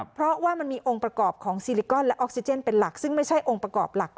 เพราะว่ามันมีองค์ประกอบของซีลิกอลและออกซิเจนเป็นหลัก